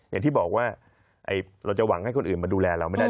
อย่างที่บอกว่าเราจะหวังให้คนอื่นมาดูแลเราไม่ได้